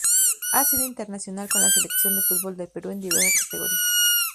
Ha sido internacional con la selección de fútbol del Perú en diversas categorías.